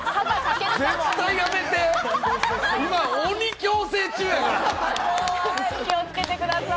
今鬼矯正中やから！